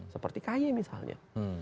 seperti kay misalnya